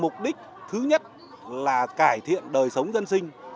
mục đích thứ nhất là cải thiện đời sống dân sinh